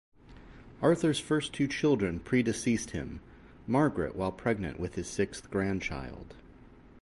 Arthur's first two children predeceased him, Margaret while pregnant with his sixth grandchild.